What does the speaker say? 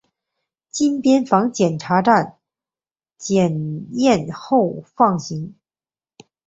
经边防检查站查验后放行。